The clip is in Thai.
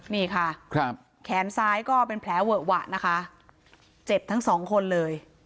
นี่ค่ะครับแขนซ้ายก็เป็นแผลเวอะหวะนะคะเจ็บทั้งสองคนเลย